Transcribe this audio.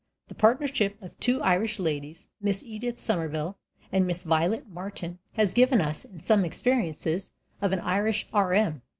The partnership of two Irish ladies, Miss Edith Somerville and Miss Violet Martin, has given us, in _Some Experiences of an Irish R.M.